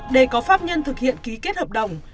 để có pháp nhân thực hiện ký kết hợp đồng